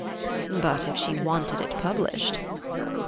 "But if she wanted it published?"